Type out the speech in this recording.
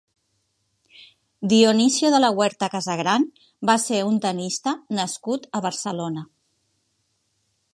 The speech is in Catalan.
Dionisio de la Huerta Casagrán va ser un tenista nascut a Barcelona.